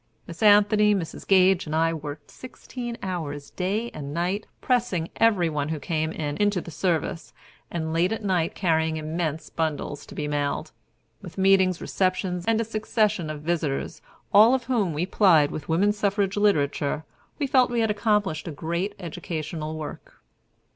Miss Anthony, Mrs. Gage, and I worked sixteen hours, day and night, pressing everyone who came in, into the service, and late at night carrying immense bundles to be mailed. With meetings, receptions, and a succession of visitors, all of whom we plied with woman suffrage literature, we felt we had accomplished a great educational work.